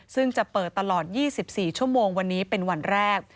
ซึ่งจะเปิดตลอด๒๔ชั่วโมงวันนี้เป็นวันแรก